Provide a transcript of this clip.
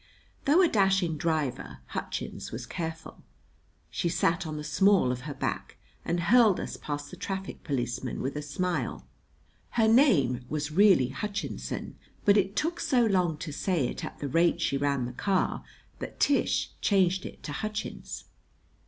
Though a dashing driver, Hutchins was careful. She sat on the small of her back and hurled us past the traffic policemen with a smile. [Her name was really Hutchinson; but it took so long to say it at the rate she ran the car that Tish changed it to Hutchins.